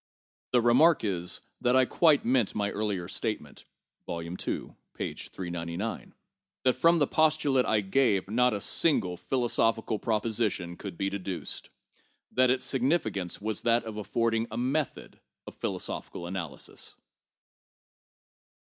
The remark is, that I quite meant my earlier statement, (Vol. II., p. 399), that from the postulate I gave, not a single philo sophical proposition could be deducedŌĆö that its significance was that of affording a method of philosophical analysis.